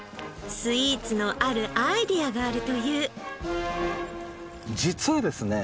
スイーツのあるアイデアがあるという実はですね